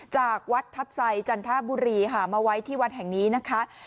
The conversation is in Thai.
จากวัดทัพไซจันทบุรีค่ะมาไว้ที่วัดแห่งนี้นะคะ